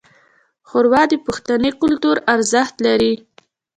ښوروا د پښتني کلتور ارزښت لري.